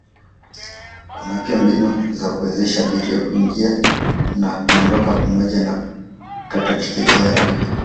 Kuna pia mbinu za kuwezesha abiria kuingia na kuondoka pamoja na kukata tiketi haraka.